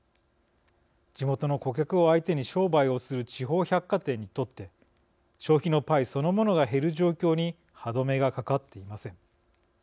地元の顧客を相手に商売をする地方百貨店にとって消費のパイそのものが減る状況に歯止めがかかっていません。